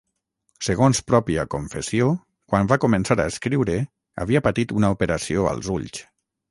Segons pròpia confessió quan va començar a escriure havia patit una operació als ulls.